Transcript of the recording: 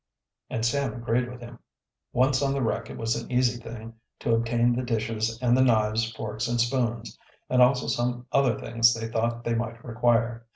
And Sam agreed with him. Once on the wreck it was an easy thing to obtain the dishes and the knives, forks and spoons, and also some other things they thought they might require.